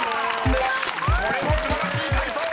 ［これも素晴らしい解答！］